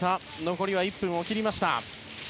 残り１分を切りました。